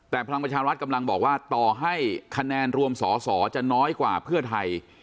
แต่พลังประชารัฐกำลังบอกว่าต่อให้คะแนนรวมสอสอจะน้อยกว่าเพื่อไทย